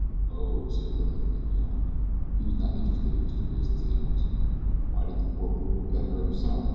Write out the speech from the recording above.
"Oh," said Billy, and yawned. He was not interested in Mr. Grayson's amours. "Why didn't the poor boob go get her himself?"